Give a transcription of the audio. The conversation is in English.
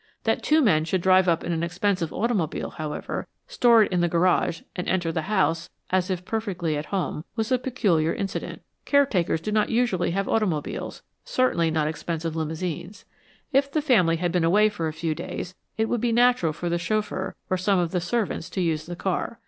That two men should drive up in an expensive automobile, however, store it in the garage, and enter the house, as if perfectly at home, was a peculiar incident. Caretakers do not usually have automobiles; certainly not expensive limousines. If the family had been away for a few days, it would be natural for the chauffeur, or some of the servants, to use the car.